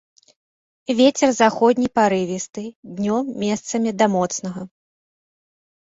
Вецер заходні парывісты, днём месцамі да моцнага.